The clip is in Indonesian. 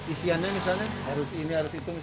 isiannya misalnya harus ini harus hitung